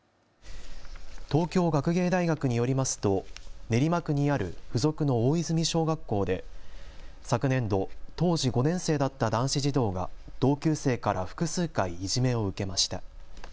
東京学芸大学によりますと練馬区にある付属の大泉小学校で昨年度、当時５年生だった男子児童が同級生から複数回いじめを受けました。